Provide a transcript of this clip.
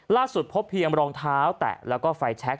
พบเพียงรองเท้าแตะแล้วก็ไฟแชค